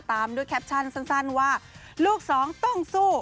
ตามด้วยแคปชั่นสั้นว่าลูกสองต้องสู้